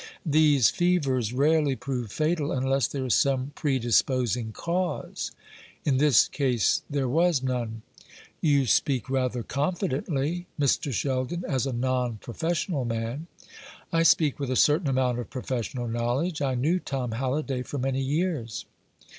These fevers rarely prove fatal unless there is some predisposing cause." "In this case there was none." "You speak rather confidently, Mr. Sheldon, as a non professional man." "I speak with a certain amount of professional knowledge. I knew Tom Halliday for many years."